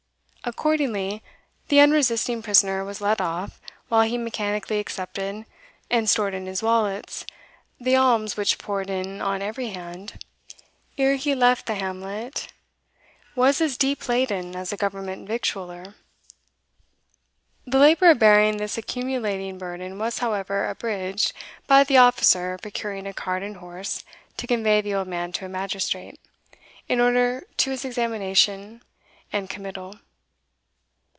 Accordingly, the unresisting prisoner was led off, while he mechanically accepted and stored in his wallets the alms which poured in on every hand, and ere he left the hamlet, was as deep laden as a government victualler. The labour of bearing this accumulating burden was, however, abridged, by the officer procuring a cart and horse to convey the old man to a magistrate, in order to his examination and committal.